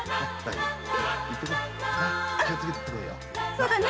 そうだね。